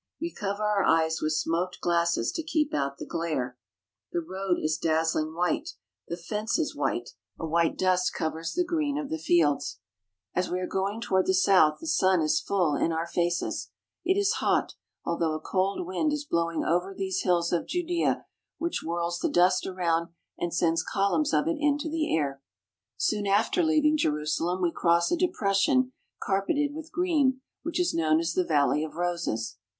We cover our eyes with smoked glasses to keep out the glare. The road is dazzling white, the fences are 139 THE HOLY LAND AND SYRIA white, a white dust covers the green of the fields. As we are going toward the south, the sun is full in our faces. It is hot, although a cold wind is blowing over these hills of Judea which whirls the dust around and sends columns of it into the air. Soon after leaving Jerusalem we cross a depression carpeted with green, which is known as the Valley of Roses.